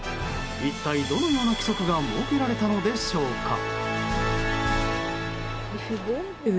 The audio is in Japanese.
一体どのような規則が設けられたのでしょうか。